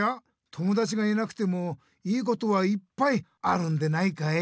友だちがいなくてもいいことはいっぱいあるんでないかい？